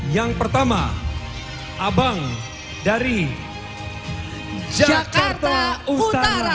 yang pertama abang dari jakarta utara